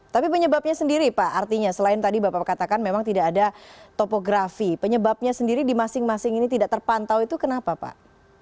tapi penyebabnya sendiri pak artinya selain tadi bapak katakan memang tidak ada topografi penyebabnya sendiri di masing masing ini tidak terpantau itu kenapa pak